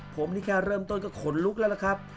ผมนี่แค่เริ่มต้นก็ขนลุกแล้วล่ะครับ